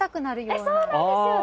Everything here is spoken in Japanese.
そうなんですよ。